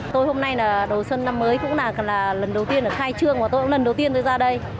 tôi hôm nay là đầu xuân năm mới cũng là lần đầu tiên được khai trương và tôi cũng lần đầu tiên tôi ra đây